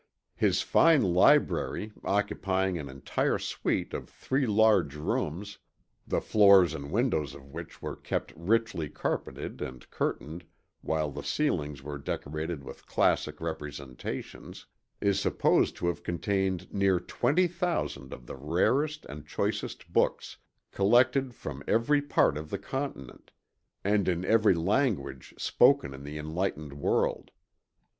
His fine library, occupying an entire suite of three large rooms the floors and windows of which were kept richly carpeted and curtained, while the ceilings were decorated with classic representations is supposed to have contained near twenty thousand of the rarest and choicest books, collected from every part of the Continent, and in every language spoken in the enlightened world."